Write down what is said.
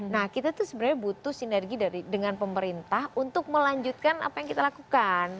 nah kita tuh sebenarnya butuh sinergi dengan pemerintah untuk melanjutkan apa yang kita lakukan